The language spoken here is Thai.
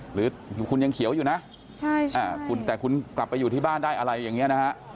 หรือคุณยังเขียวอยู่นะแต่คุณกลับไปอยู่ที่บ้านได้อะไรอย่างนี้นะฮะ